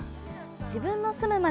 自分の住む街